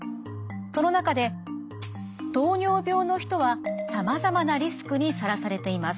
その中で糖尿病の人はさまざまなリスクにさらされています。